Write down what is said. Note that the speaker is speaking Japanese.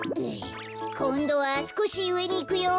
こんどはすこしうえにいくよ。